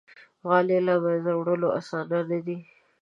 غالۍ له منځه وړل آسانه نه وي.